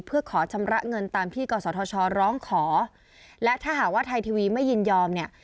เพื่อขอชำระเงินตามที่กศธชร้องขอและถ้าหากว่าไทยทีวีไม่ยินยอมเนี่ย